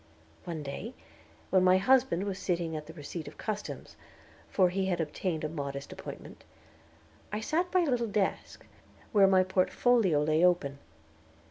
One day when my husband was sitting at the receipt of customs, for he had obtained a modest appointment, I sat by a little desk, where my portfolio lay open.